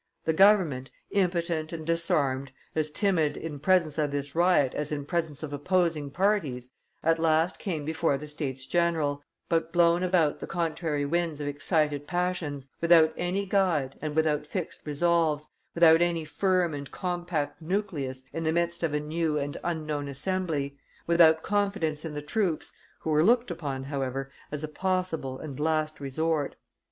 The government, impotent and disarmed, as timid in presence of this riot as in presence of opposing parties, at last came before the States general, but blown about by the contrary winds of excited passions, without any guide and without fixed resolves, without any firm and compact nucleus in the midst of a new and unknown Assembly, without confidence in the troops, who were looked upon, however, as a possible and last resort.